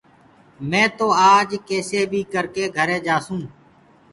مينٚ تو آج ڪيسي بيٚ ڪرڪي گھري جآسونٚ